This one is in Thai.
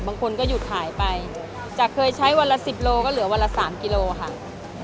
บางคนก็หยุดขายไปจากเคยใช้วันละ๑๐โลก็เหลือวันละ๓กิโลค่ะ